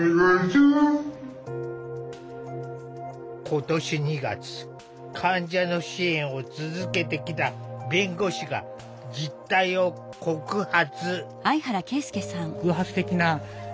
今年２月患者の支援を続けてきた弁護士が実態を告発。